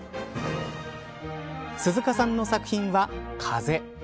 鈴鹿さんの作品は風。